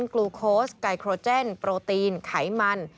กลูโค้ชไกโครเจนโปรตีนไขมัน